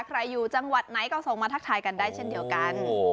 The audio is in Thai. อยู่จังหวัดไหนก็ส่งมาทักทายกันได้เช่นเดียวกัน